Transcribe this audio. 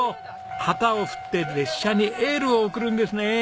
旗を振って列車にエールを送るんですね。